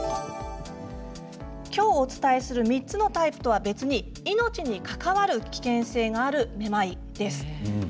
今日お伝えする３つのタイプとは別に命に関わる危険性があるめまいです。